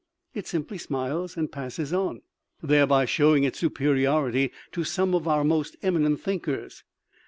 It simply smiles and passes on. Thereby showing its superiority to some of our most eminent thinkers.